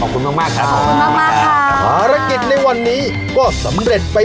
ขอบคุณมากครับฝารกิจในวันนี้ก็สำเร็จไป